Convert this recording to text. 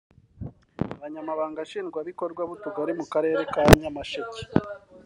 Abanyamabanga Nshingwabikorwa b’utugari mu Karere ka Nyamasheke